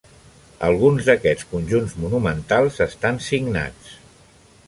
Alguns d'aquests conjunts monumentals estan signats.